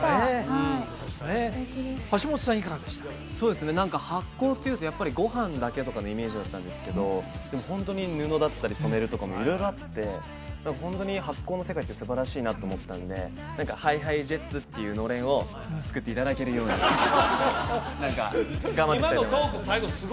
そうですね何か発酵っていうとやっぱりご飯だけとかのイメージだったんですけどでもホントに布だったり染めるとかも色々あってホントに発酵の世界ってすばらしいなって思ったんで何かＨｉＨｉＪｅｔｓっていうのれんを作っていただけるように頑張っていきたいと思います